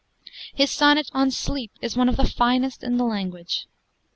His sonnet on 'Sleep' is one of the finest in the language.